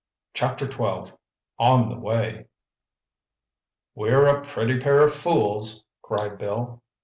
Chapter XII ON THE WAY "We're a pretty pair of fools!" cried Bill.